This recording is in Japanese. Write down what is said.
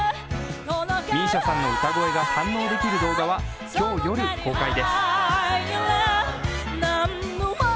ＭＩＳＩＡさんの歌声が堪能できる動画は今日夜、公開です。